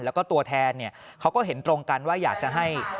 แล้วก็ตัวแทนเขาก็เห็นตรงกันว่าอยากจะให้